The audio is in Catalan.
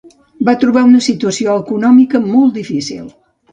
Va trobar una situació econòmica molt difícil.